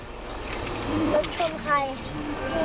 รถชนใคร